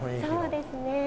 そうですね。